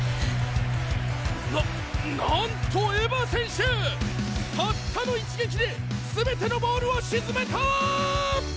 ななんとエヴァ選手たったの一撃で全てのボールを沈めたーっ！